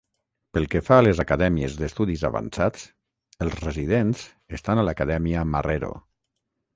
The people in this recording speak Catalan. Pel que fa a les acadèmies d'estudis avançats, els residents estan a l'Acadèmia Marrero.